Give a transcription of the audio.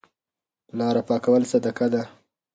لاره پاکول صدقه ده.